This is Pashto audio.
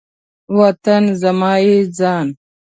وطن زما یی ځان